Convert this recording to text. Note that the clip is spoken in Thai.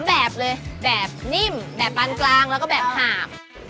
แบบเลยแบบนิ่มแบบปานกลางแล้วก็แบบหาบ